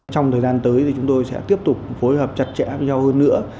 trong thời gian tới thì chúng tôi sẽ tiếp tục phối hợp chặt chẽ với nhau hơn nữa